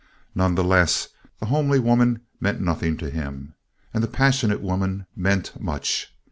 None the less, the homely woman meant nothing to him. And the passionate woman meant much.